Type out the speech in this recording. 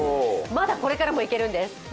まだこれからもいけるんです。